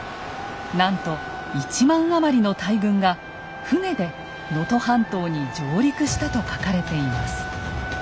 なんと一万余りの大軍が船で能登半島に上陸したと書かれています。